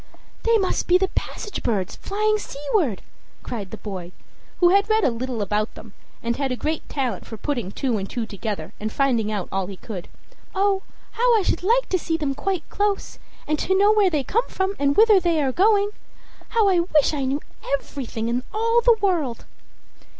"They must be the passage birds flying seaward!" cried the boy, who had read a little about them, and had a great talent for putting two and two together and finding out all he could. "Oh, how I should like to see them quite close, and to know where they come from and whither they are going! How I wish I knew everything in all the world!"